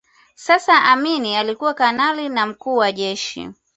Sasa Amin alikuwa kanali na mkuu wa jeshi